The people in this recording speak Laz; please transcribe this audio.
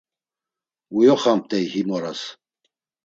Uyoxamt̆ey him oras.